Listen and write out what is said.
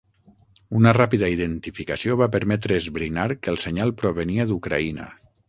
Una ràpida identificació va permetre esbrinar que el senyal provenia d'Ucraïna.